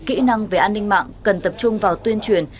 kỹ năng về an ninh mạng cần tập trung vào tuyên truyền